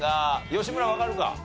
吉村わかるか？